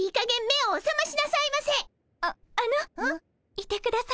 いてください。